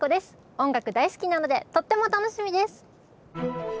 音楽大好きなのでとっても楽しみです。